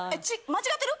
間違ってる？